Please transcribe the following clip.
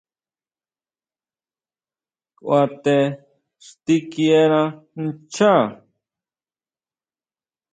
Kʼua te xtikiena nchaá.